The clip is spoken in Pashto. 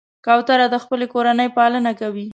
کوتره د خپلې کورنۍ پالنه کوي.